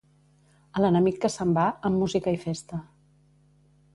A l'enemic que se'n va, amb música i festa.